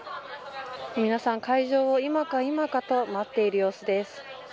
皆さん会場をいまかいまかと待っている様子です。